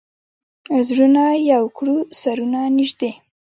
زړونه یو کړو، سرونه نژدې